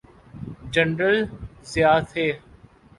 General Zia تھے۔